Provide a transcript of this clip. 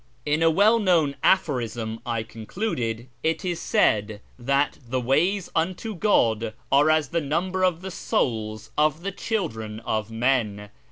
" In a well known aphorism," I concluded, " it is said that ' the loays unto God are as the imivibcr of the souls of the children of men.'